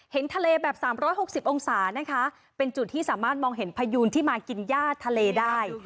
เห็นทะเลแบบสามร้อยหกสิบองศานะคะเป็นจุดที่สามารถมองเห็นพยูนที่มากินญาติทะเลได้